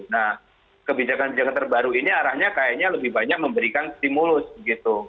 nah kebijakan kebijakan terbaru ini arahnya kayaknya lebih banyak memberikan stimulus begitu